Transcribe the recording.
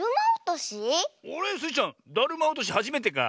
スイちゃんだるまおとしはじめてか？